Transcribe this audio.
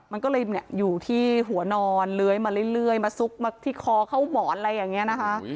มันก็เลยอยู่ที่หัวนอนเลื้อยมาเรื่อยมาซุกมาที่คอเข้าหมอนอะไรอย่างนี้นะคะ